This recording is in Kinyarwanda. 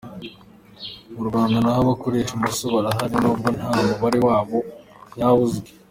Mu Rwanda naho abakoresha imoso barahari nubwo nta mubare wabo nyawo uzwi.